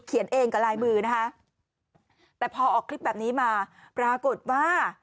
เขียนเองกับลายมือนะคะแต่พอออกคลิปแบบนี้มาปรากฏว่า